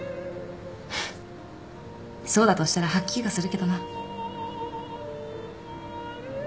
フッそうだとしたら吐き気がするけどな。